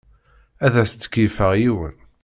Ad as-d-keyyfeɣ yiwen.